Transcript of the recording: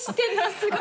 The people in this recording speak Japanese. すごい。